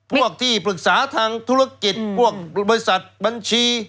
พวกที่ปรึกษาทางธุรกิจพวกบริษัทบัญชี